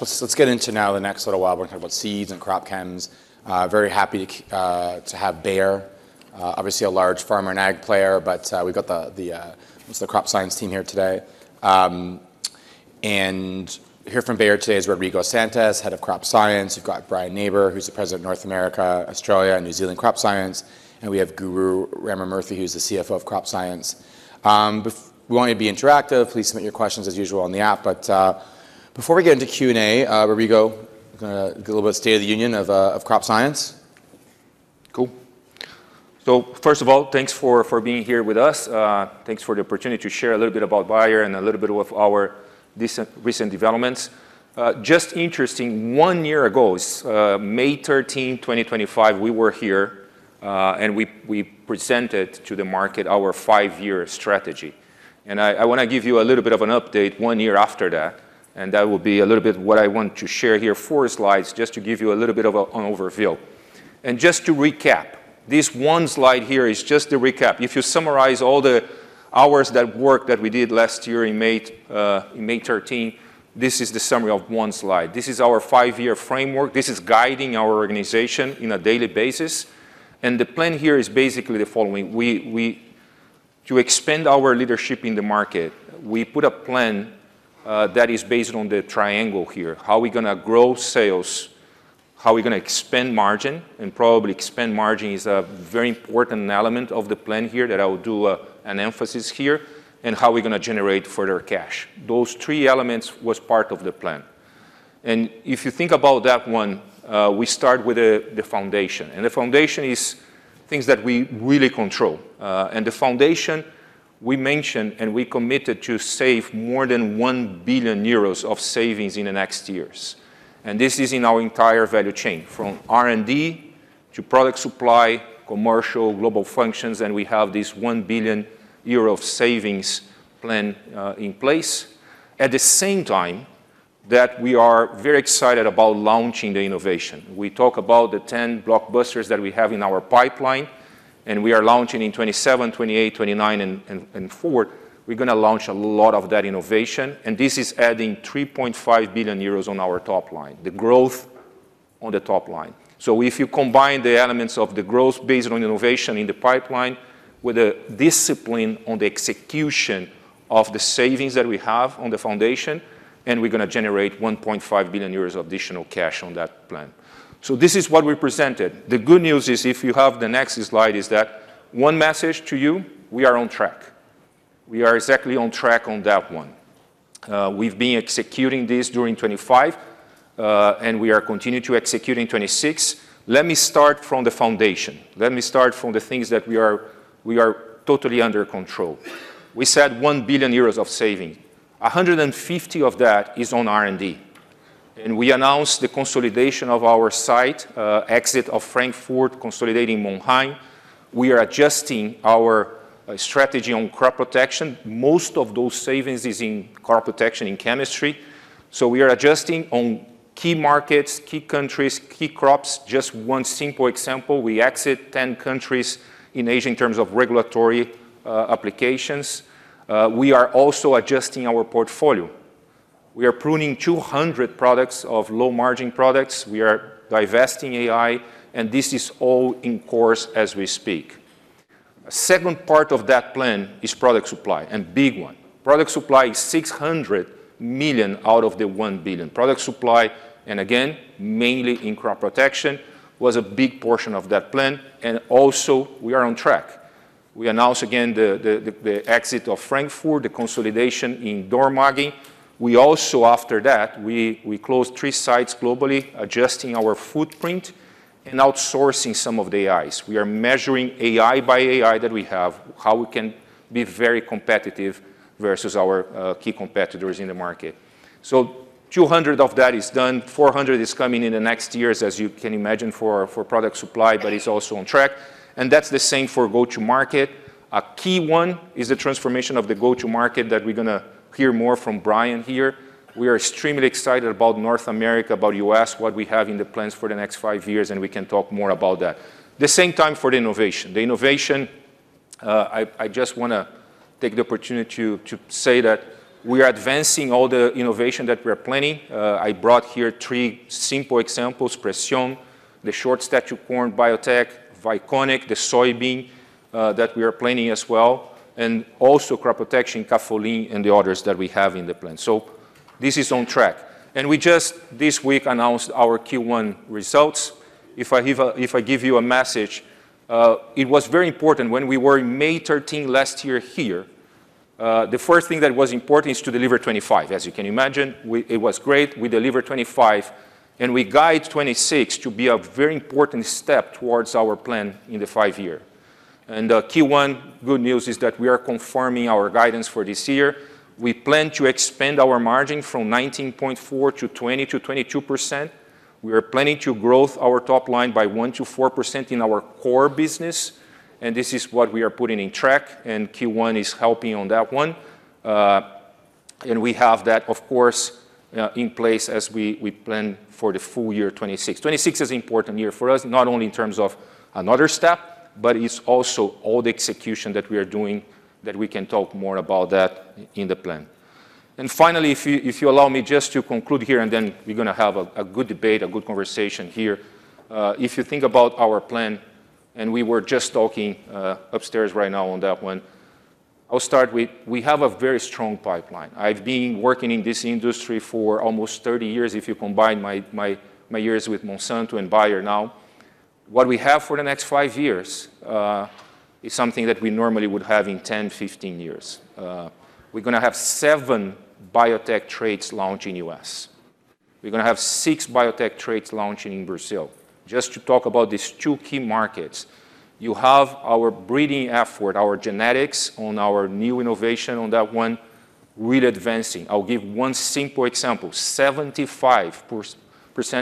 Let's get into now the next little while we're talking about seeds and crop chem. Very happy to have Bayer, obviously, a large farmer and ag player, we've got the Crop Science team here today. Here from Bayer today is Rodrigo Santos, Head of Crop Science. We've got Brian Naber, who's the President of North America, Australia, and New Zealand Crop Science, and we have Guru Ramamurthy, who's the CFO of Crop Science. We want to be interactive. Please submit your questions as usual on the app. Before we get into Q&A, Rodrigo, gonna give a little bit state of the union of Crop Science? Cool. First of all, thanks for being here with us. Thanks for the opportunity to share a little bit about Bayer and a little bit of our recent developments. Just interesting, one year ago, May 13th, 2025, we were here, and we presented to the market our 5-year strategy. I want to give you a little bit of an update 1 year after that, and that will be a little bit what I want to share here, four slides, just to give you a little bit of an overview. Just to recap, this one slide here is just a recap. If you summarize all the hours that work that we did last year in May, in May 13, this is the summary of one slide. This is our 5-year framework. This is guiding our organization in a daily basis, and the plan here is basically the following. To expand our leadership in the market, we put a plan that is based on the triangle here. How we're gonna grow sales, how we're gonna expand margin, and probably expand margin is a very important element of the plan here that I will do an emphasis here, and how we're gonna generate further cash. Those three elements was part of the plan. If you think about that one, we start with the foundation, and the foundation is things that we really control. The foundation we mentioned and we committed to save more than 1 billion euros of savings in the next years. This is in our entire value chain, from R&D, to product supply, commercial, global functions, we have this 1 billion euro of savings plan in place. At the same time, that we are very excited about launching the innovation. We talk about the 10 blockbusters that we have in our pipeline, and we are launching in 2027, 2028, 2029, and forward. We're gonna launch a lot of that innovation, and this is adding 3.5 billion euros on our top line, the growth on the top line. If you combine the elements of the growth based on innovation in the pipeline with the discipline on the execution of the savings that we have on the foundation, and we're gonna generate 1.5 billion euros additional cash on that plan. This is what we presented. The good news is, if you have the next slide, is that one message to you, we are on track. We are exactly on track on that one. We've been executing this during 2025, and we are continuing to execute in 2026. Let me start from the foundation. Let me start from the things that we are totally under control. We said 1 billion euros of saving. 150 of that is on R&D, and we announced the consolidation of our site, exit of Frankfurt, consolidating Monheim. We are adjusting our strategy on crop protection. Most of those savings is in crop protection in chemistry. We are adjusting on key markets, key countries, key crops. Just one simple example, we exit 10 countries in Asia in terms of regulatory applications. We are also adjusting our portfolio. We are pruning 200 products of low-margin products. We are divesting AI, this is all in course as we speak. A second part of that plan is product supply, big one. Product supply is 600 million out of the 1 billion. Product supply, again, mainly in crop protection, was a big portion of that plan, also we are on track. We announced again the exit of Frankfurt, the consolidation in Dormagen. We also, after that, we closed three sites globally, adjusting our footprint outsourcing some of the AIs. We are measuring AI by AI that we have, how we can be very competitive versus our key competitors in the market. 200 of that is done. 400 is coming in the next years, as you can imagine, for product supply, it's also on track. That's the same for go-to-market. A key one is the transformation of the go-to-market that we're gonna hear more from Brian here. We are extremely excited about North America, about U.S., what we have in the plans for the next five years, and we can talk more about that. The same time for the innovation. The innovation, I just wanna take the opportunity to say that we are advancing all the innovation that we are planning. I brought here three simple examples. Preceon, the short stature corn biotech. Vyconic, the soybean that we are planning as well. Also crop protection, icafolin, and the others that we have in the plan. This is on track. We just this week announced our Q1 results. If I give you a message, it was very important when we were in May 13 last year here, the first thing that was important is to deliver 2025. As you can imagine, it was great. We delivered 2025, and we guide 2026 to be a very important step towards our plan in the 5-year. Q1, good news is that we are confirming our guidance for this year. We plan to expand our margin from 19.4% to 20%-22%. We are planning to growth our top line by 1%-4% in our core business, and this is what we are putting in track, and Q1 is helping on that one. We have that, of course, in place as we plan for the full year 2026. 2026 is an important year for us, not only in terms of another step. It's also all the execution that we are doing, that we can talk more about in the plan. Finally, if you allow me just to conclude here, and then we're going to have a good debate, a good conversation here. If you think about our plan, and we were just talking upstairs right now on that one. I'll start with we have a very strong pipeline. I've been working in this industry for almost 30 years, if you combine my years with Monsanto and Bayer now. What we have for the next five years is something that we normally would have in 10years, 15 years. We're going to have seven biotech traits launching U.S. We're going to have six biotech traits launching in Brazil. Just to talk about these two key markets. You have our breeding effort, our genetics on our new innovation on that one, really advancing. I'll give one simple example. 75%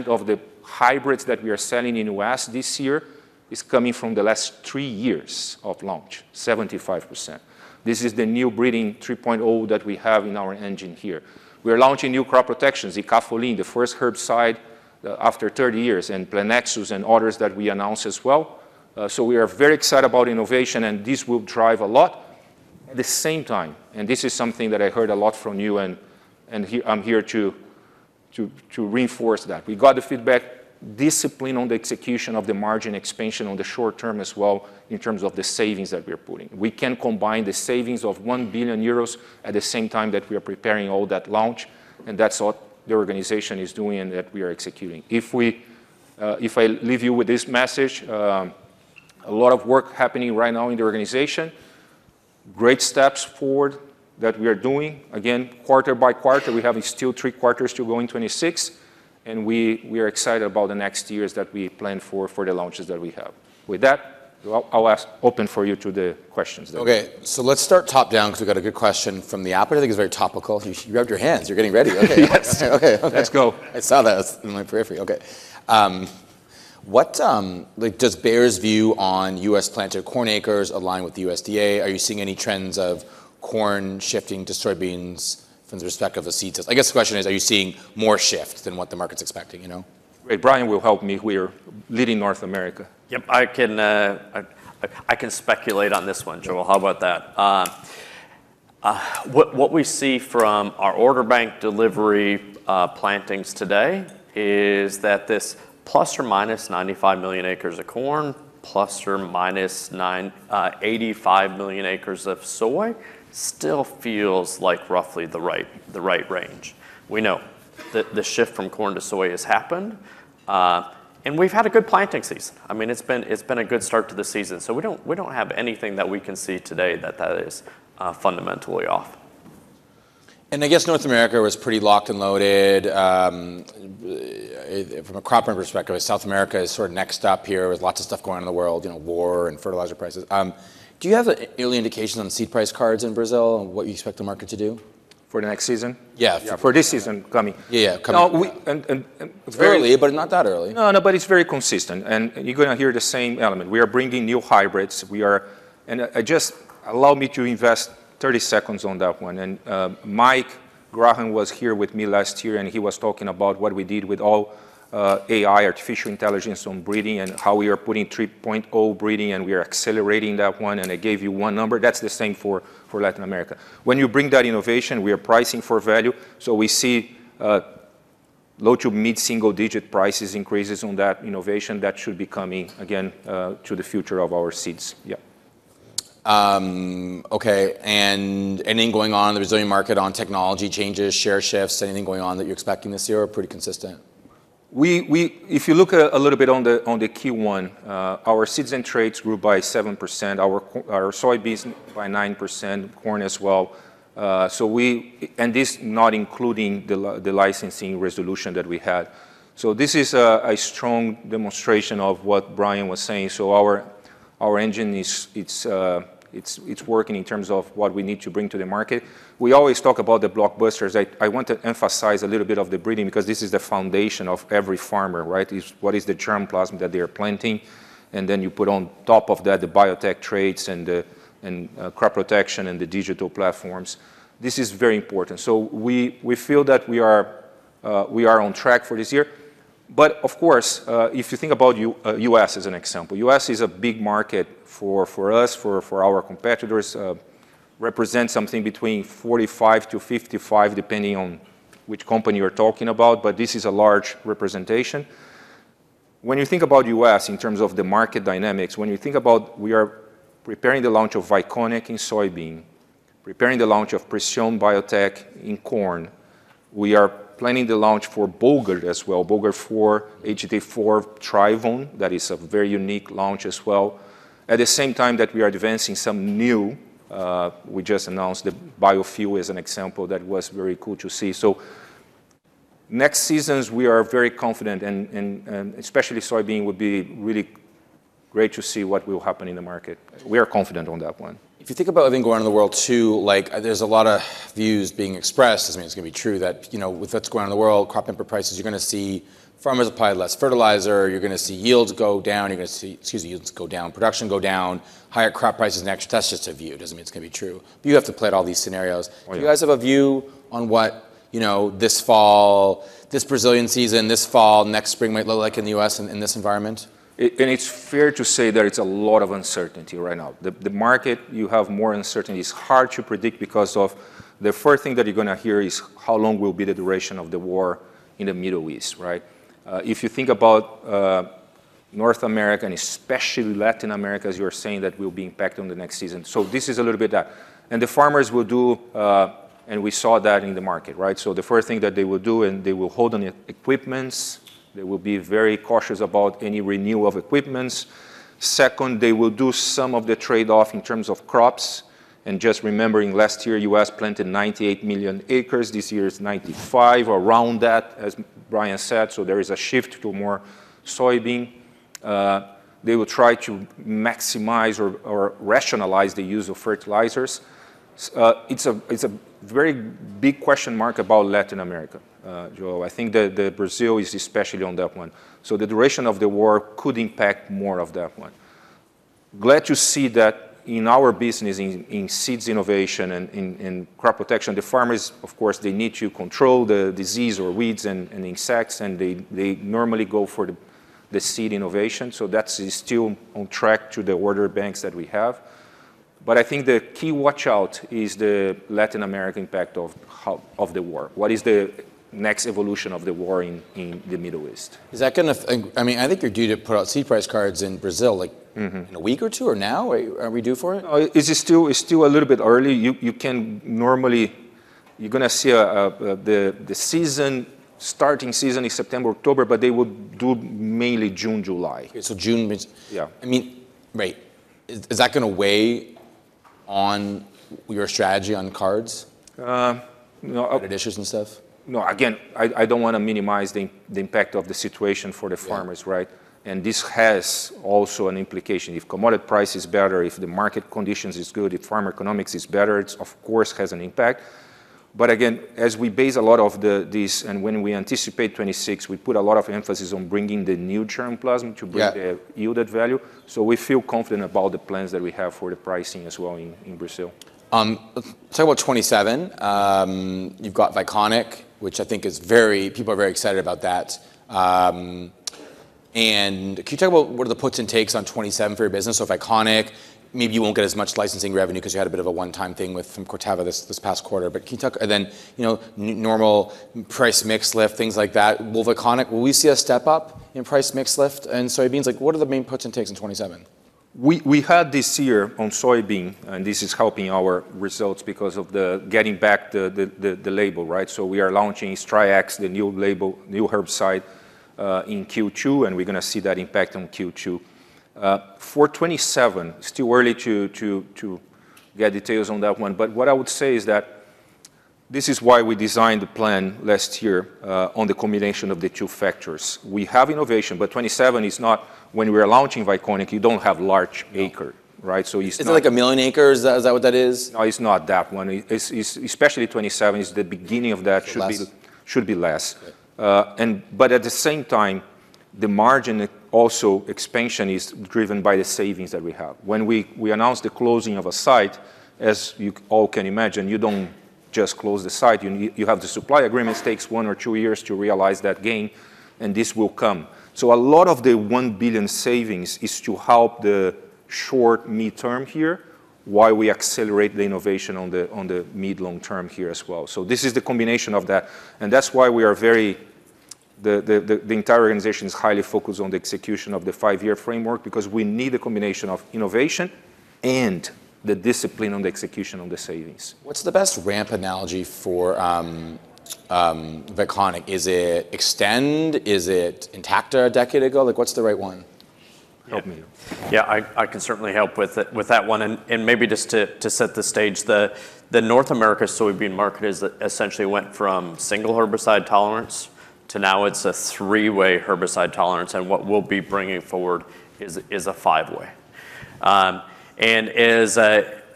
of the hybrids that we are selling in U.S. this year is coming from the last three years of launch. 75%. This is the new Breeding 3.0 that we have in our engine here. We're launching new crop protections, icafolin, the first herbicide after 30 years, and Plenexos and others that we announced as well. We are very excited about innovation, and this will drive a lot. At the same time, this is something that I heard a lot from you and I'm here to reinforce that. We got the feedback. Discipline on the execution of the margin expansion on the short term as well in terms of the savings that we're putting. We can combine the savings of 1 billion euros at the same time that we are preparing all that launch, and that's what the organization is doing and that we are executing. If I leave you with this message, a lot of work happening right now in the organization. Great steps forward that we are doing. Quarter by quarter, we still have three quarters to go in 2026, and we are excited about the next years that we plan for the launches that we have. With that, I'll ask open for you to the questions then. Okay. Let's start top down, 'cause we got a good question from the app that I think is very topical. You, you rubbed your hands. You're getting ready. Okay. Yes. Okay. Okay. Let's go. I saw that in my periphery. Okay. What, like, does Bayer's view on U.S. planted corn acres align with the USDA? Are you seeing any trends of corn shifting to soybeans from the respect of the seeds? I guess the question is, are you seeing more shift than what the market's expecting, you know? Great. Brian will help me. We are leading North America. Yep. I can speculate on this one, Joel. How about that? What we see from our order bank delivery, plantings today is that this ±95 million acres of corn, ±85 million acres of soy still feels like roughly the right range. We know that the shift from corn to soy has happened. We've had a good planting season. I mean, it's been a good start to the season. We don't have anything that we can see today that is fundamentally off. I guess North America was pretty locked and loaded from a crop insurance perspective. South America is sort of next up here with lots of stuff going on in the world, you know, war and fertilizer prices. Do you have a early indication on seed price cards in Brazil and what you expect the market to do? For the next season? Yeah. Yeah, for next season? For this season coming. Yeah, coming. No, we And... Early, but not that early. No, no, it's very consistent. You're gonna hear the same element. We are bringing new hybrids. Just allow me to invest 30 seconds on that one. Mike Graham was here with me last year, and he was talking about what we did with AI, artificial intelligence on breeding and how we are putting Breeding 3.0, and we are accelerating that one, and I gave you one number. That's the same for Latin America. When you bring that innovation, we are pricing for value. We see low to mid-single digit prices increases on that innovation. That should be coming again to the future of our seeds. Yeah. Okay. Anything going on in the Brazilian market on technology changes, share shifts, anything going on that you're expecting this year, or pretty consistent? If you look a little bit on the Q1, our seeds and traits grew by 7%. Our soybeans by 9%, corn as well. This not including the licensing resolution that we had. This is a strong demonstration of what Brian was saying. Our engine is working in terms of what we need to bring to the market. We always talk about the blockbusters. I want to emphasize a little bit of the breeding, because this is the foundation of every farmer, right? Is what is the germplasm that they are planting? You put on top of that the biotech traits and the crop protection and the digital platforms. This is very important. We feel that we are on track for this year. Of course, if you think about U.S. as an example, U.S. is a big market for us, for our competitors. Represent something between 45% to 55%, depending on which company you're talking about, but this is a large representation. When you think about U.S. in terms of the market dynamics, when you think about we are preparing the launch of Vyconic in soybean, preparing the launch of Preceon Biotech in corn. We are planning the launch for Bollgard as well. Bollgard 4, HT4 ThryvOn. That is a very unique launch as well. At the same time that we are advancing some new. We just announced the biofuel as an example. That was very cool to see. Next seasons, we are very confident and especially soybean would be really great to see what will happen in the market. We are confident on that one. If you think about everything going on in the world too, like, there's a lot of views being expressed, doesn't mean it's gonna be true, that, you know, with what's going on in the world, crop input prices, you're gonna see farmers apply less fertilizer. You're gonna see yields go down. You're gonna see, excuse me, yields go down, production go down, higher crop prices next. That's just a view. Doesn't mean it's gonna be true. You have to plan all these scenarios. Oh, yeah. Do you guys have a view on what, you know, this fall, this Brazilian season, this fall, next spring might look like in the U.S. in this environment? It's fair to say that it's a lot of uncertainty right now. The market, you have more uncertainty. It's hard to predict because of the first thing that you're gonna hear is how long will be the duration of the war in the Middle East, right? If you think about North America and especially Latin America, as you're saying, that will be impacted on the next season. This is a little bit that. The farmers will do, and we saw that in the market, right? The first thing that they will do, and they will hold on equipments. They will be very cautious about any renewal of equipments. Second, they will do some of the trade-off in terms of crops. Just remembering last year, U.S. planted 98 million acres. This year it's 95 million acres, around that, as Brian said, so there is a shift to more soybean. They will try to maximize or rationalize the use of fertilizers. It's a very big question mark about Latin America, Joe. I think that the Brazil is especially on that one. The duration of the war could impact more of that one. Glad to see that in our business in seeds innovation and in crop protection, the farmers, of course, they need to control the disease or weeds and insects and they normally go for the seed innovation. That's still on track to the order banks that we have. I think the key watch-out is the Latin American impact of the war. What is the next evolution of the war in the Middle East? Is that gonna, I mean, I think you're due to put out seed price cards in Brazil? in a week or two, or now? Are we due for it? It's still a little bit early. You can normally, you're gonna see the starting season is September, October, but they would do mainly June, July. It's June? Yeah I mean, right. Is that going to weigh on your strategy on crops? No. Reductions and stuff? No, again, I don't wanna minimize the impact of the situation for the farmers, right? This has also an implication. If commodity price is better, if the market conditions is good, if farm economics is better, it's of course has an impact. Again, as we base a lot of the, this, and when we anticipate 2026, we put a lot of emphasis on bringing the new germplasm to bring the yielded value. We feel confident about the plans that we have for the pricing as well in Brazil. Let's talk about 2027. You've got Vyconic, which I think is very, people are very excited about that. Can you talk about what are the puts and takes on 2027 for your business with Vyconic? Maybe you won't get as much licensing revenue 'cause you had a bit of a one time thing with, from Corteva this past quarter. Can you talk, and then, you know, normal price mix lift, things like that. Will Vyconic, will we see a step-up in price mix lift in soybeans? Like, what are the main puts and takes in 2027? We had this year on soybean, and this is helping our results because of the getting back the label, right? We are launching SmartStax PRO, the new label, new herbicide, in Q2, and we're gonna see that impact on Q2. For 2027, still early to get details on that one. What I would say is that this is why we designed the plan last year on the combination of the two factors. We have innovation, but 2027 is not, when we are launching Vyconic, you don't have large acre, right? Is it, like, 1 million acres? Is that what that is? No, it's not that one. It's, especially 2027, is the beginning of that. Less? Should be less. Okay. At the same time, the margin also expansion is driven by the savings that we have. When we announce the closing of a site, as you all can imagine, you don't just close the site, you have the supply agreements, takes 1 or 2 years to realize that gain, and this will come. A lot of the 1 billion savings is to help the short midterm here, while we accelerate the innovation on the mid long term here as well. This is the combination of that. That's why we are very, the entire organization's highly focused on the execution of the 5-year framework, because we need a combination of innovation and the discipline on the execution on the savings. What's the best ramp analogy for Vyconic? Is it Xtend? Is it Intacta a decade ago? Like, what's the right one? Help me. Yeah, I can certainly help with that one. Maybe just to set the stage, the North America soybean market is essentially went from single herbicide tolerance to now it's a three-way herbicide tolerance, and what we'll be bringing forward is a five-way.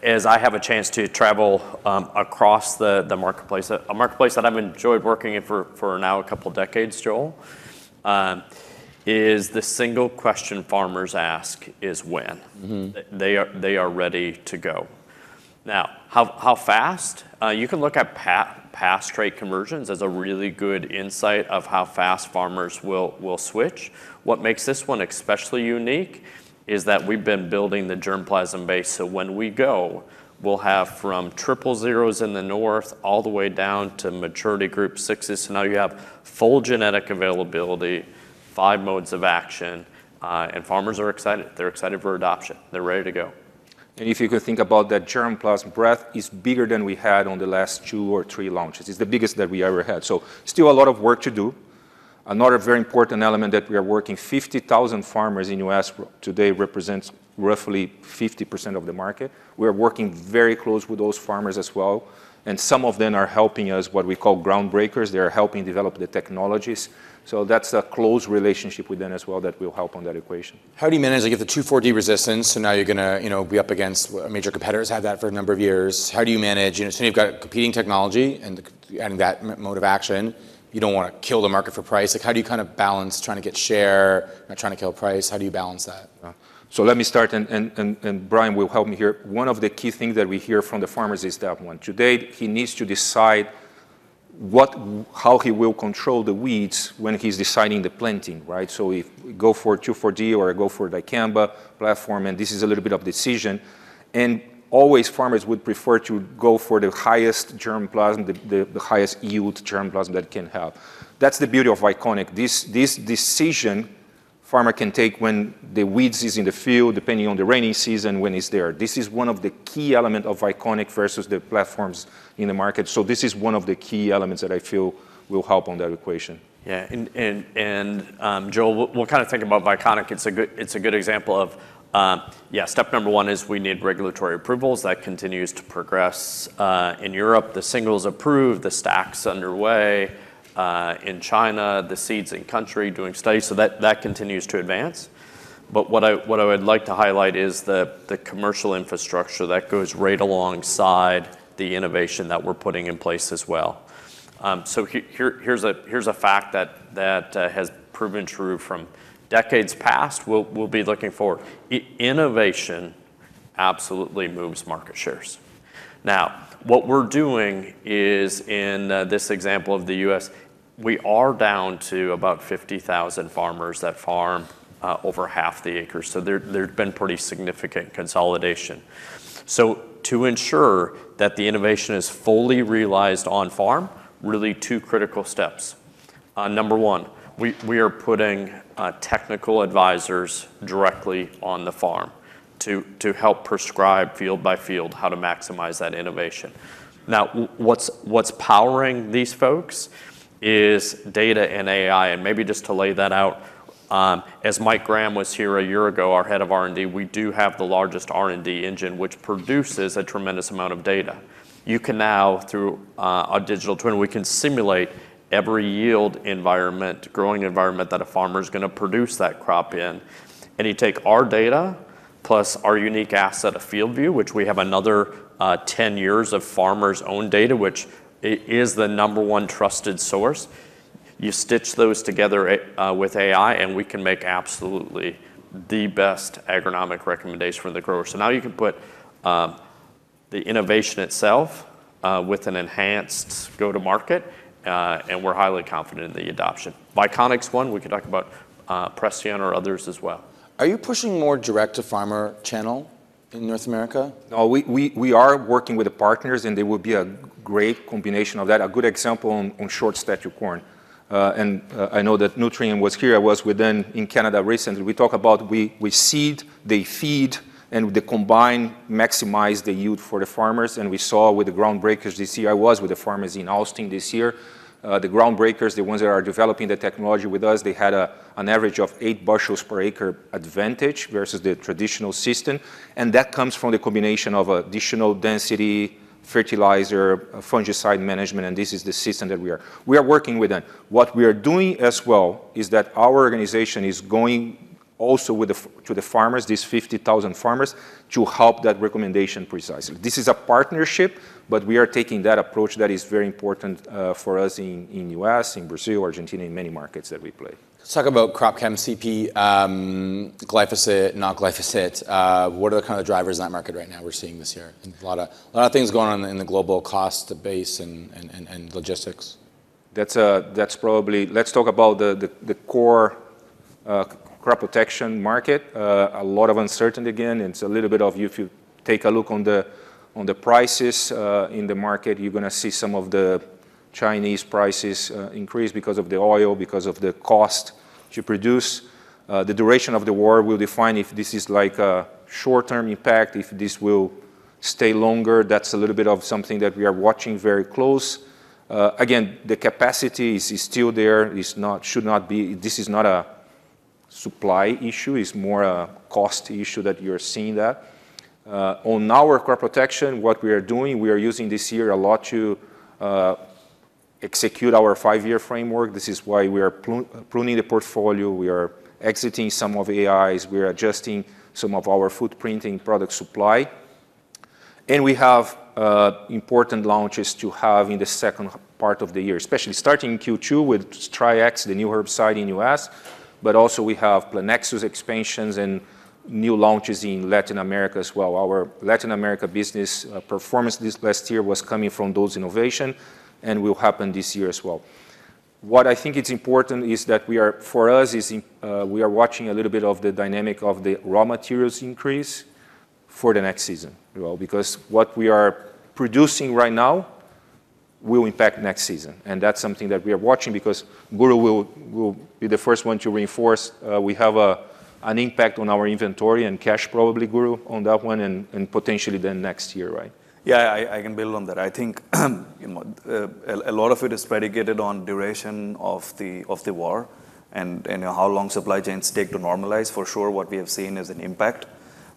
As I have a chance to travel across the marketplace, a marketplace that I've enjoyed working in for now a couple decades, Joel, is the single question farmers ask is when. They are ready to go. Now, how fast? You can look at past trade conversions as a really good insight of how fast farmers will switch. What makes this one especially unique is that we've been building the germplasm base, so when we go, we'll have from triple zeros in the north all the way down to maturity group sixes. Now you have full genetic availability, five modes of action, and farmers are excited. They're excited for adoption. They're ready to go. If you could think about that germplasm breadth, it's bigger than we had on the last two or three launches. It's the biggest that we ever had. Still a lot of work to do. Another very important element that we are working, 50,000 farmers in U.S. today represents roughly 50% of the market. We're working very close with those farmers as well, and some of them are helping us, what we call Groundbreakers. They are helping develop the technologies. That's a close relationship with them as well that will help on that equation. How do you manage, like, if the 2,4-D resistance, so now you're gonna, you know, be up against, well, major competitors have that for a number of years. How do you manage? You know, so you've got competing technology and that mode of action. You don't wanna kill the market for price. Like, how do you kind of balance trying to get share, not trying to kill price? How do you balance that? Let me start, and Brian will help me here. One of the key things that we hear from the farmers is that one. To date, he needs to decide how he will control the weeds when he's deciding the planting, right? If we go for 2,4-D or go for dicamba platform, this is a little bit of decision, always farmers would prefer to go for the highest germplasm, the highest yield germplasm that can help. That's the beauty of Vyconic. This decision-Farmer can take when the weeds is in the field, depending on the rainy season, when it's there. This is one of the key element of Vyconic versus the platforms in the market. This is one of the key elements that I feel will help on that equation. Yeah. Joel, we're kind of thinking about Vyconic. It's a good example of, step number one is we need regulatory approvals. That continues to progress in Europe. The single's approved, the stack's underway. In China, the seed's in country doing studies. That continues to advance. What I would like to highlight is the commercial infrastructure that goes right alongside the innovation that we're putting in place as well. Here's a fact that has proven true from decades past. We'll be looking for innovation absolutely moves market shares. Now, what we're doing is in this example of the U.S., we are down to about 50,000 farmers that farm over 0.5 acres. There'd been pretty significant consolidation. To ensure that the innovation is fully realized on farm, really two critical steps. Number 1, we are putting technical advisors directly on the farm to help prescribe field by field how to maximize that innovation. Now, what's powering these folks is data and AI. Maybe just to lay that out, as Mike Graham was here 1 year ago, our head of R&D, we do have the largest R&D engine which produces a tremendous amount of data. You can now, through our digital twin, we can simulate every yield environment, growing environment that a farmer's gonna produce that crop in. You take our data plus our unique asset of FieldView, which we have another 10 years of farmer's own data, which is the number one trusted source. You stitch those together with AI, we can make absolutely the best agronomic recommendation for the grower. Now you can put the innovation itself with an enhanced go-to-market, we're highly confident in the adoption. Vyconic's one. We can talk about Preceon or others as well. Are you pushing more direct to farmer channel in North America? No, we are working with the partners, and they will be a great combination of that. A good example on Short Stature Corn. I know that Nutrien was here. I was with them in Canada recently. We talk about we seed, they feed, and the combine maximize the yield for the farmers. We saw with the Groundbreakers this year, I was with the farmers in Austin this year. The Groundbreakers, the ones that are developing the technology with us, they had an average of eight bushels per acre advantage versus the traditional system, and that comes from the combination of additional density, fertilizer, fungicide management, and this is the system that we are working with them. What we are doing as well is that our organization is going also to the farmers, these 50,000 farmers, to help that recommendation precisely. This is a partnership, but we are taking that approach that is very important for us in U.S., in Brazil, Argentina, in many markets that we play. Let's talk about crop chem CP, glyphosate, not glyphosate. What are the kind of drivers in that market right now we're seeing this year? A lot of things going on in the global cost to base and logistics. Let's talk about the core crop protection market. A lot of uncertainty again. It's a little bit of if you take a look on the, on the prices in the market, you're gonna see some of the Chinese prices increase because of the oil, because of the cost to produce. The duration of the war will define if this is like a short-term impact, if this will stay longer. That's a little bit of something that we are watching very close. Again, the capacity is still there. This is not a supply issue. It's more a cost issue that you're seeing that. On our crop protection, what we are doing, we are using this year a lot to execute our 5-year framework. This is why we are pruning the portfolio. We are exiting some of the AIs. We are adjusting some of our footprinting product supply. We have important launches to have in the second part of the year, especially starting in Q2 with Trilex, the new herbicide in U.S. Also we have Planexus expansions and new launches in Latin America as well. Our Latin America business performance this last year was coming from those innovation and will happen this year as well. What I think it's important is that we are, for us is we are watching a little bit of the dynamic of the raw materials increase for the next season. Because what we are producing right now will impact next season, that's something that we are watching because Guru will be the first one to reinforce, we have an impact on our inventory and cash probably, Guru, on that one and potentially then next year, right? Yeah. I can build on that. I think, you know, a lot of it is predicated on duration of the war and how long supply chains take to normalize. For sure, what we have seen is an impact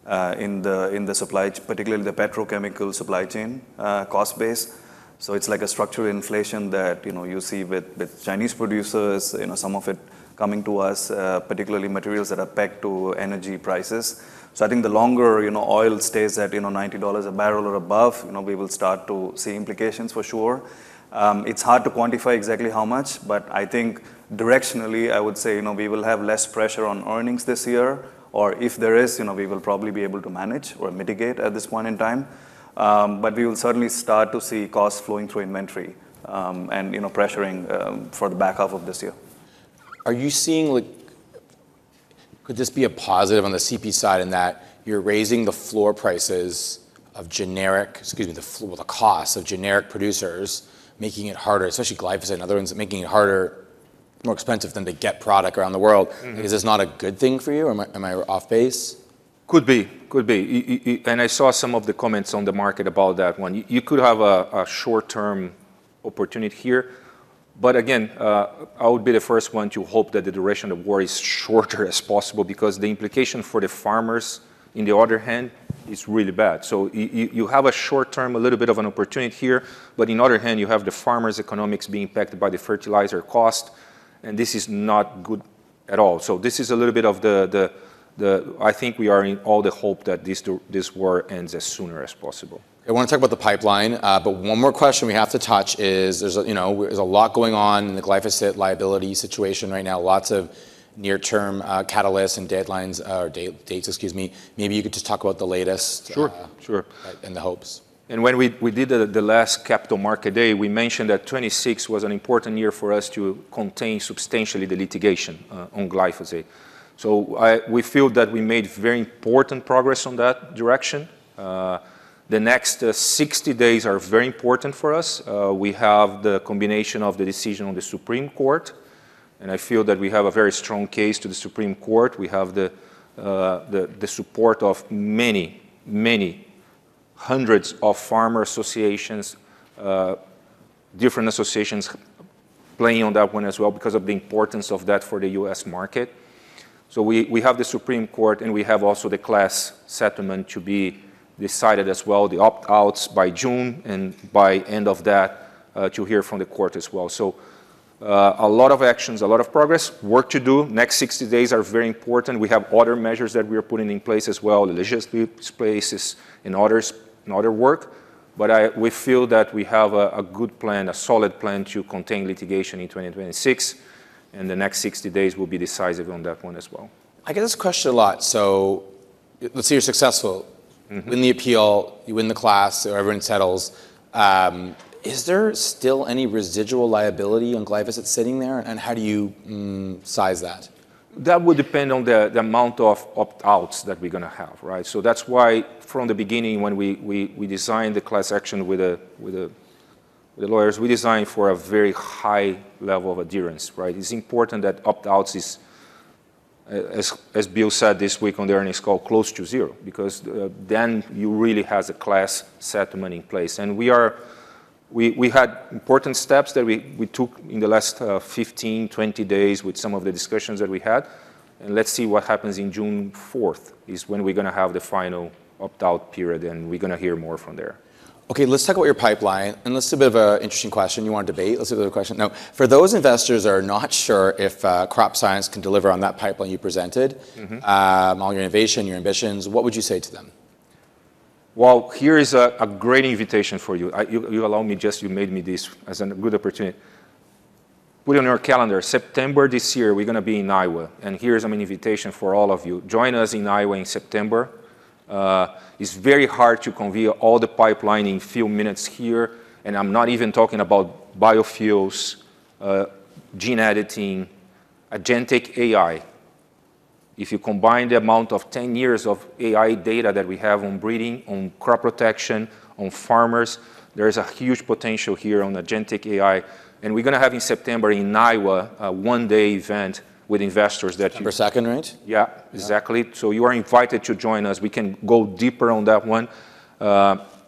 particularly the petrochemical supply chain cost base. It's like a structural inflation that, you know, you see with Chinese producers. You know, some of it coming to us, particularly materials that are pegged to energy prices. I think the longer, you know, oil stays at, you know, $90 a barrel or above, you know, we will start to see implications for sure. It's hard to quantify exactly how much, but I think directionally, I would say, we will have less pressure on earnings this year, or if there is, we will probably be able to manage or mitigate at this point in time. We will certainly start to see costs flowing through inventory and pressuring for the back half of this year. Are you seeing like could this be a positive on the CP side in that you're raising the floor prices? Of generic, excuse me, the cost of generic producers making it harder, especially glyphosate and other ones, making it harder, more expensive then to get product around the world. Is this not a good thing for you? Am I off base? Could be. Could be. I saw some of the comments on the market about that one. You could have a short-term opportunity here, again, I would be the first one to hope that the duration of war is shorter as possible because the implication for the farmers in the other hand is really bad. You have a short term, a little bit of an opportunity here, but in other hand, you have the farmers' economics being impacted by the fertilizer cost, and this is not good at all. This is a little bit of the I think we are in all the hope that this war ends as sooner as possible. I wanna talk about the pipeline. One more question we have to touch is, there's, you know, a lot going on in the glyphosate liability situation right now. Lots of near term catalysts and deadlines, or dates, excuse me. Maybe you could just talk about the latest? Sure, sure. And hopes. When we did the last capital market day, we mentioned that 2026 was an important year for us to contain substantially the litigation on glyphosate. We feel that we made very important progress on that direction. The next 60 days are very important for us. We have the combination of the decision on the Supreme Court, and I feel that we have a very strong case to the Supreme Court. We have the support of many, many, hundreds of farmer associations, different associations playing on that one as well because of the importance of that for the U.S. market. We have the Supreme Court, and we have also the class settlement to be decided as well, the opt-outs by June, and by end of that to hear from the court as well. A lot of actions, a lot of progress. Work to do. Next 60 days are very important. We have other measures that we are putting in place as well, legislative spaces and others, and other work. We feel that we have a good plan, a solid plan to contain litigation in 2026, and the next 60 days will be decisive on that one as well. I get this question a lot, so let's say you're successful. Win the appeal, you win the class, everyone settles. Is there still any residual liability on glyphosate sitting there, and how do you size that? That would depend on the amount of opt-outs that we're gonna have, right? That's why from the beginning when we designed the class action with the lawyers, we designed for a very high level of adherence, right? It's important that opt-outs is, as Bill said this week on the earnings call, close to zero, because then you really has a class settlement in place. We had important steps that we took in the last 15 days, 20 days with some of the discussions that we had, and let's see what happens in June 4th, is when we're gonna have the final opt-out period, and we're gonna hear more from there. Okay, let's talk about your pipeline, and this is a bit of a interesting question. You wanna debate? Let's do the question. For those investors that are not sure if Crop Science can deliver on that pipeline you presented. On your innovation, your ambitions, what would you say to them? Well, here is a great invitation for you. You made me this as a good opportunity. Put it on your calendar. September this year, we're gonna be in Iowa. Here is an invitation for all of you. Join us in Iowa in September. It's very hard to convey all the pipeline in few minutes here. I'm not even talking about biofuels, gene editing, agentic AI. If you combine the amount of 10 years of AI data that we have on breeding, on crop protection, on farmers, there is a huge potential here on agentic AI. We're gonna have in September in Iowa a one-day event with investors that. September 2nd, right? Yeah, exactly. You are invited to join us. We can go deeper on that one.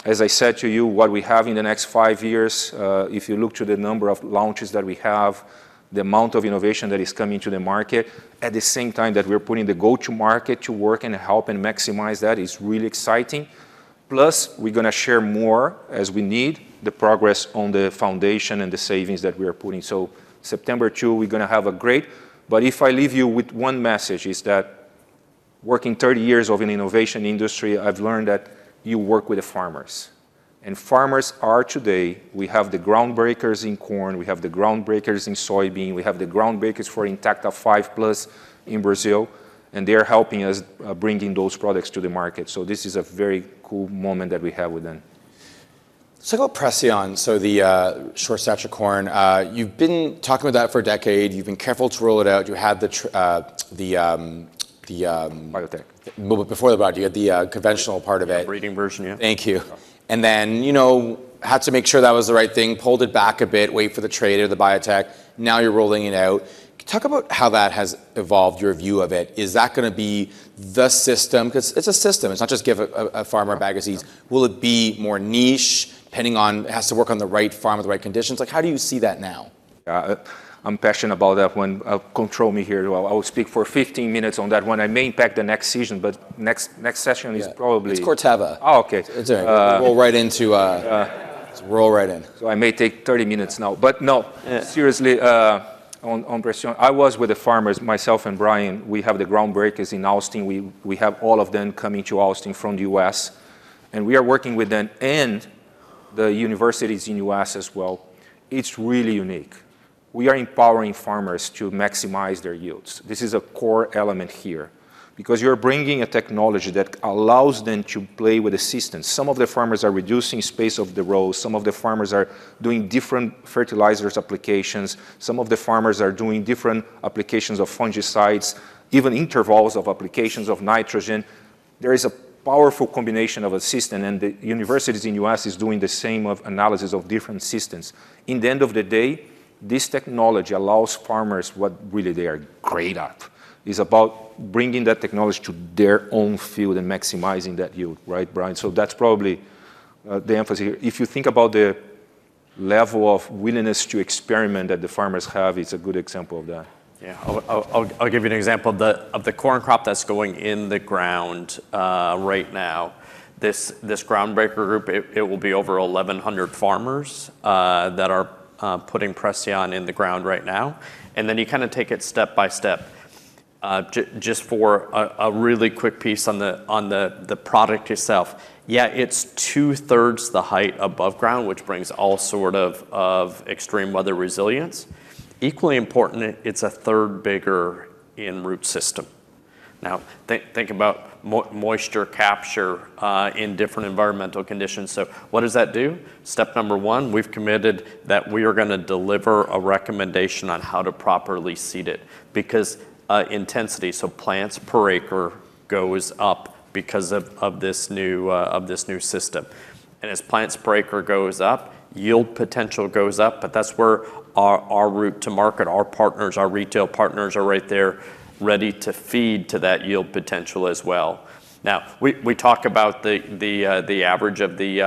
As I said to you, what we have in the next 5 years, if you look to the number of launches that we have, the amount of innovation that is coming to the market, at the same time that we're putting the go-to-market to work and help and maximize that is really exciting. Plus, we're gonna share more as we need the progress on the foundation and the savings that we are putting. September 2, we're gonna have a great But if I leave you with one message, it's that working 30 years of an innovation industry, I've learned that you work with the farmers. And the farmers are today, we have the Groundbreakers in corn, we have the Groundbreakers in soybean, we have the Groundbreakers for Intacta RR5 Plus in Brazil, and they're helping us bringing those products to the market. This is a very cool moment that we have with them. Let's talk about Preceon, so the short stature corn. You've been talking about that for a decade. You have been careful thruoght. You have.. Biotech Before the biotech. You had the conventional part of it? The breeding version, yeah. Thank you. You know, had to make sure that was the right thing, pulled it back a bit, wait for the trade or the biotech. Now you're rolling it out. Talk about how that has evolved your view of it. Is that gonna be the system? 'Cause it's a system. It's not just give a farmer a bag of seeds. Will it be more niche depending on it has to work on the right farm with the right conditions? Like, how do you see that now? Yeah. I'm passionate about that one. Control me here or I will speak for 15 minutes on that one. I may impact the next session. Yeah, it's Corteva. Oh, okay. It's all right. We'll roll right into. Yeah. Let's roll right in. I may take 30 minutes now. No, seriously, on Preceon. I was with the farmers, myself and Brian. We have the Groundbreakers in Austin. We have all of them coming to Austin from the U.S., and we are working with them and the universities in U.S. as well. It's really unique. We are empowering farmers to maximize their yields. This is a core element here. You're bringing a technology that allows them to play with the system. Some of the farmers are reducing space of the rows. Some of the farmers are doing different fertilizers applications. Some of the farmers are doing different applications of fungicides, even intervals of applications of nitrogen. There is a powerful combination of a system, and the universities in U.S. is doing the same of analysis of different systems. In the end of the day, this technology allows farmers what really they are great at. Is about bringing that technology to their own field and maximizing that yield, right, Brian? That's probably the emphasis here. If you think about the level of willingness to experiment that the farmers have, it's a good example of that. Yeah. I'll give you an example. Of the corn crop that's going in the ground right now, this Groundbreakers group, it will be over 1,100 farmers that are putting Preceon in the ground right now. Then you kind of take it step by step. Just for a really quick piece on the product itself, yeah, it's two-thirds the height above ground, which brings all sort of extreme weather resilience. Equally important, it's a third bigger in root system. Now, think about moisture capture in different environmental conditions. What does that do? Step number one, we've committed that we are gonna deliver a recommendation on how to properly seed it, because intensity, so plants per acre, goes up because of this new system. As plants per acre goes up, yield potential goes up, but that's where our route to market, our partners, our retail partners are right there ready to feed to that yield potential as well. We talk about the average of the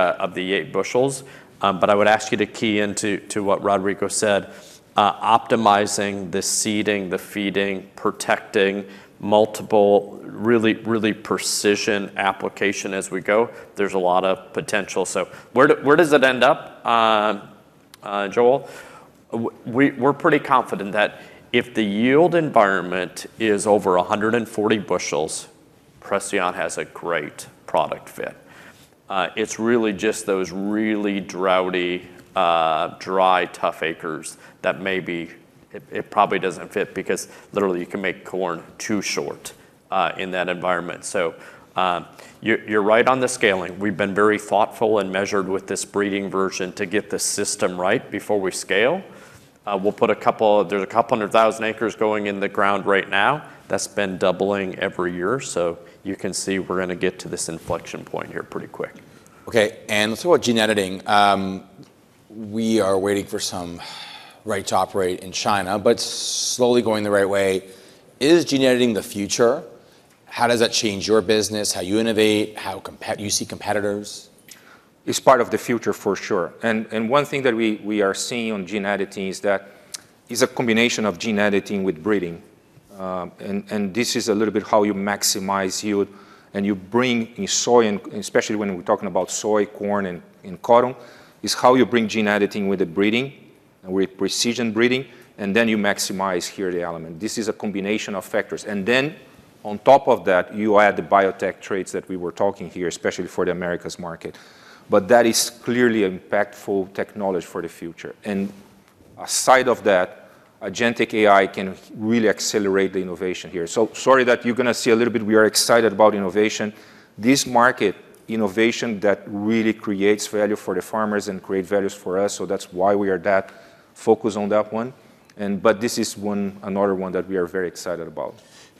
eight bushels, but I would ask you to key into what Rodrigo said, optimizing the seeding, the feeding, protecting multiple really precision application as we go. There's a lot of potential. Where does it end up, Joel? We're pretty confident that if the yield environment is over 140 bushels, Preceon has a great product fit. It's really just those really droughty, dry, tough acres that maybe it probably doesn't fit, because literally you can make corn too short in that environment. You're right on the scaling. We've been very thoughtful and measured with this breeding version to get the system right before we scale. There's a couple hundred thousand acres going in the ground right now. That's been doubling every year, so you can see we're gonna get to this inflection point here pretty quick. Okay. Let's talk about gene editing. We are waiting for some right to operate in China, slowly going the right way. Is gene editing the future? How does that change your business, how you innovate, how you see competitors? It's part of the future, for sure. One thing that we are seeing on gene editing is that is a combination of gene editing with breeding. This is a little bit how you maximize yield and you bring in soy and especially when we're talking about soy, corn, and cotton, is how you bring gene editing with the breeding, and with precision breeding, you maximize here the element. This is a combination of factors. And then, on top of that, you add the biotech traits that we were talking here, especially for the Americas market. That is clearly impactful technology for the future. Aside of that, agentic AI can really accelerate the innovation here. Sorry that you're gonna see a little bit we are excited about innovation. This market innovation that really creates value for the farmers and create values for us. That's why we are that focused on that one. This is one, another one that we are very excited about.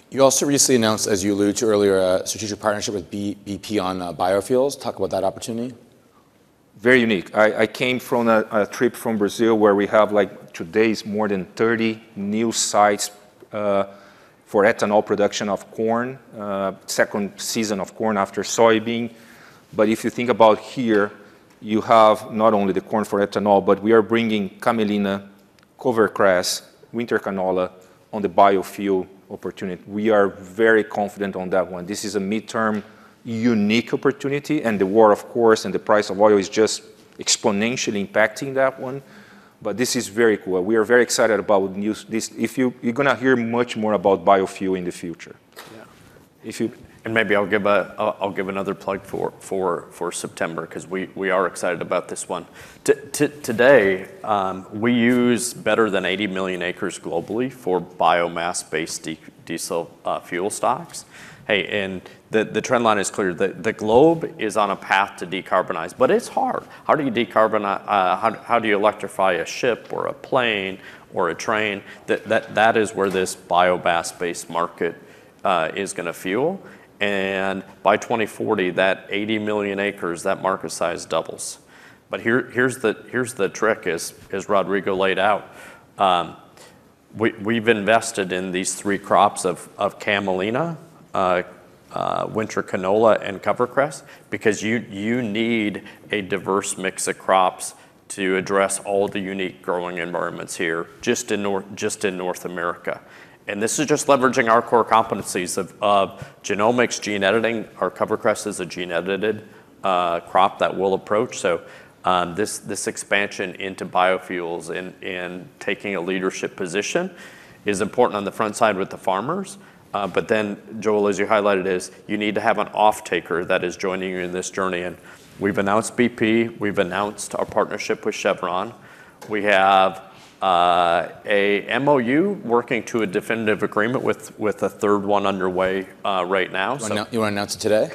You also recently announced, as you alluded to earlier, a strategic partnership with BP on biofuels. Talk about that opportunity. Very unique. I came from a trip from Brazil where we have, like, today's more than 30 new sites for ethanol production of corn, second season of corn after soybean. If you think about here, you have not only the corn for ethanol, but we are bringing camelina, CoverCress, winter canola on the biofuel opportunity. We are very confident on that one. This is a midterm unique opportunity, the war, of course, and the price of oil is just exponentially impacting that one. This is very cool. We are very excited about new, this. If you're gonna hear much more about biofuel in the future. Yeah. If you- Maybe I'll give another plug for September, 'cause we are excited about this one. Today, we use better than 80 million acres globally for biomass-based diesel fuel stocks. The trend line is clear. The globe is on a path to decarbonize, but it's hard. How do you electrify a ship or a plane or a train? That is where this biomass-based market is gonna fuel. By 2040, that 80 million acres, that market size doubles. Here's the trick, as Rodrigo laid out. We've invested in these three crops of camelina, winter canola, and cover crops, because you need a diverse mix of crops to address all the unique growing environments here just in North America. This is just leveraging our core competencies of genomics, gene editing. Our cover crops is a gene edited crop that we'll approach. This expansion into biofuels and taking a leadership position is important on the front side with the farmers. But then Joel, as you highlighted, is you need to have an offtaker that is joining you in this journey. We've announced BP, we've announced our partnership with Chevron. We have a MOU working to a definitive agreement with a third one underway right now. You wanna announce it today?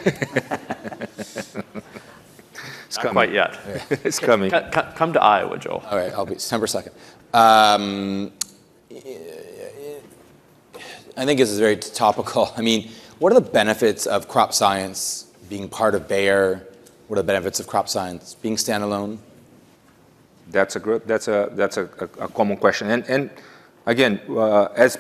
It's coming. Not quite yet. It's coming. Come to Iowa, Joel. All right, I'll be September 2nd. I think this is very topical. I mean, what are the benefits of Crop Science being part of Bayer? What are the benefits of Crop Science being standalone? That's a good, that's a common question. Again, as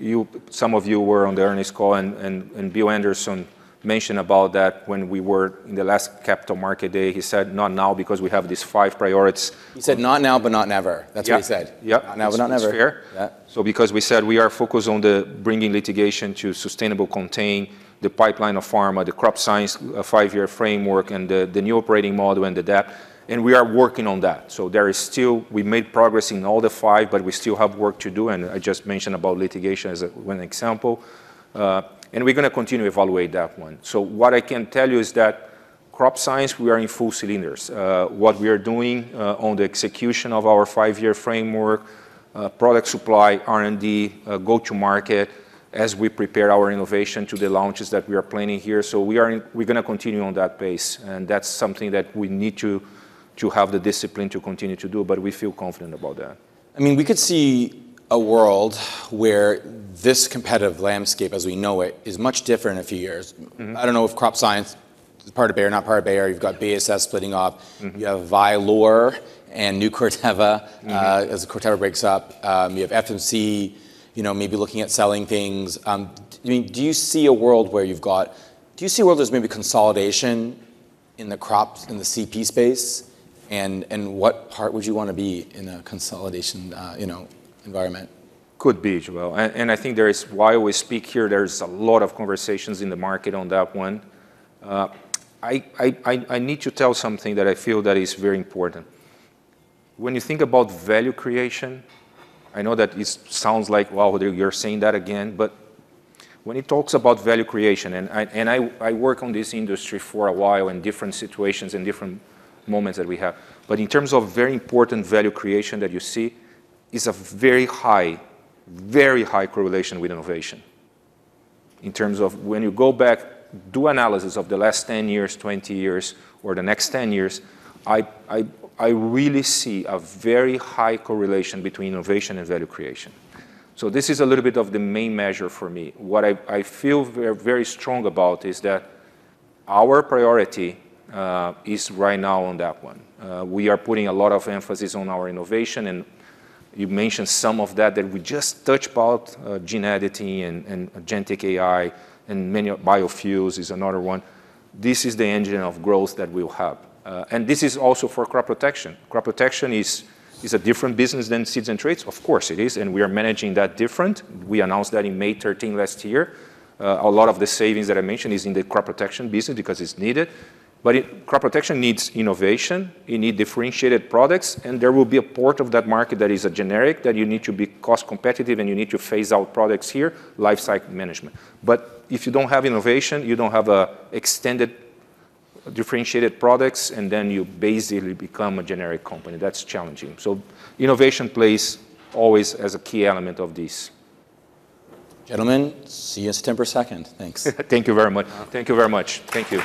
you, some of you were on the earnings call and Bill Anderson mentioned about that when we were in the last capital market day. He said, "Not now because we have these five priorities. He said, "Not now, but not never." Yeah. That's what he said. Yeah. Not now, but not never. That's fair. Yeah. Because we said we are focused on the bringing litigation to sustainable contain, the pipeline of pharma, the Crop Science, a 5-year framework, and the new operating model and adapt, and we are working on that. There is still, we made progress in all the 5, but we still have work to do, and I just mentioned about litigation as a one example. And we're gonna continue evaluate that one. What I can tell you is that Crop Science, we are in full cylinders. What we are doing on the execution of our 5-year framework, product supply, R&D, go-to-market, as we prepare our innovation to the launches that we are planning here. We're gonna continue on that pace, and that's something that we need to have the discipline to continue to do, but we feel confident about that. I mean, we could see a world where this competitive landscape as we know it is much different in a few years. I don't know if Crop Science is part of Bayer, not part of Bayer. You've got BASF splitting up. You have Vylor and new Corteva. As Corteva breaks up, you have FMC, you know, maybe looking at selling things. I mean, do you see a world there's maybe consolidation in the crops, in the CP space? And what part would you wanna be in a consolidation, you know, environment? Could be, Joel. I think there is, while we speak here, there's a lot of conversations in the market on that one. I need to tell something that I feel that is very important. When you think about value creation, I know that it sounds like, wow, you're saying that again. When it talks about value creation, I work on this industry for a while in different situations and different moments that we have, but in terms of very important value creation that you see, it's a very high correlation with innovation. In terms of when you go back, do analysis of the last 10 years, 20 years, or the next 10 years, I really see a very high correlation between innovation and value creation. This is a little bit of the main measure for me. What I feel very strong about is that our priority is right now on that one. We are putting a lot of emphasis on our innovation, and you mentioned some of that we just touch about gene editing and agentic AI, and many of biofuels is another one. This is the engine of growth that we'll have. This is also for crop protection. Crop protection is a different business than seeds and traits. Of course it is, we are managing that different. We announced that in May 13 last year. A lot of the savings that I mentioned is in the crop protection business because it's needed. crop protection needs innovation. You need differentiated products, and there will be a part of that market that is a generic that you need to be cost competitive, and you need to phase out products here, life cycle management. If you don't have innovation, you don't have a Xtend differentiated products, and then you basically become a generic company. That's challenging. Innovation plays always as a key element of this. Gentlemen, see you September 2nd. Thanks. Thank you very much. Thank you very much. Thank you.